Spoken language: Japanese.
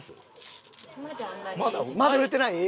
まだ売れてない？